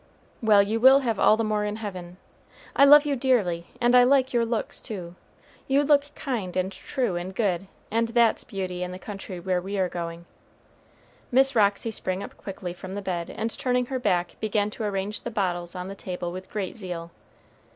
"Well, you will have all the more in heaven; I love you dearly, and I like your looks, too. You look kind and true and good, and that's beauty in the country where we are going." Miss Roxy sprang up quickly from the bed, and turning her back began to arrange the bottles on the table with great zeal.